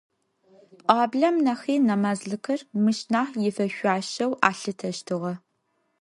Пӏуаблэм нахьи нэмазлыкъыр мыщ нахь ифэшъуашэу алъытэщтыгъэ.